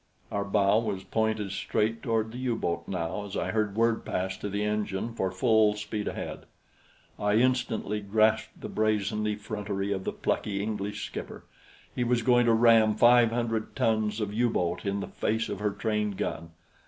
Our bow was pointed straight toward the U boat now as I heard word passed to the engine for full speed ahead. I instantly grasped the brazen effrontery of the plucky English skipper he was going to ram five hundreds tons of U boat in the face of her trained gun.